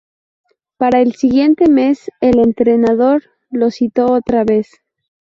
Para el siguiente mes, el entrenador lo citó otra vez.